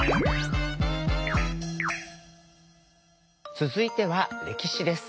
続いては歴史です。